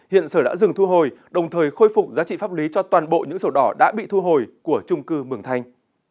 hiện sở đã dừng thu hồi đồng thời khôi phục giá trị pháp lý cho toàn bộ những sổ đỏ đã bị thu hồi của trung cư mường thanh